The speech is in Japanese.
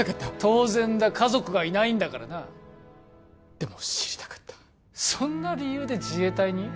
当然だ家族がいないんだからなでも知りたかったそんな理由で自衛隊に？